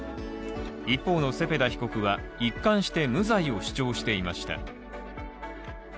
一方のセペダ被告は一貫して無罪を主張していました。